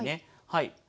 はい。